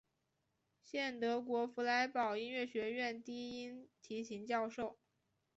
现德国弗莱堡音乐学院低音提琴教授。